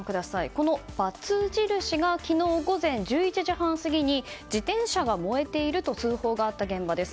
このバツ印が昨日、午前１１時半過ぎに自転車が燃えていると通報があった現場です。